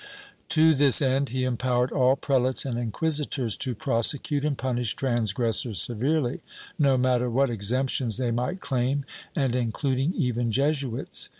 To this end he empowered all prelates and inquisitors to prosecute and punish transgressors severely, no matter what exemptions they might claim, and including even Jesuits.